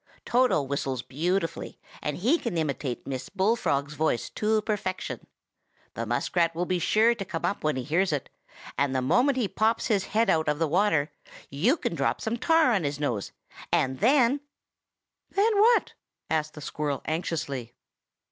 Toto whistles beautifully, and he can imitate Miss Bullfrog's voice to perfection. The muskrat will be sure to come up when he hears it, and the moment he pops his head out of the water, you can drop some tar on his nose, and then—" "Then what?" asked the squirrel anxiously.